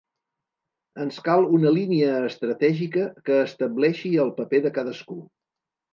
Ens cal una línia estratègica que estableixi el paper de cadascú.